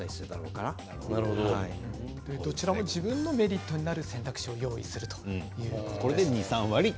どちらも自分のメリットになる選択肢を用意する